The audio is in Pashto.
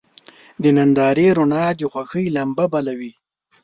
د نندارې رڼا د خوښۍ لمبه بله وي.